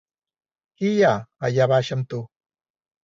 Qui hi ha allà baix amb tu?